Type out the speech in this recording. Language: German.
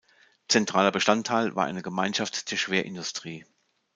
Zentraler Bestandteil war eine Gemeinschaft der Schwerindustrie.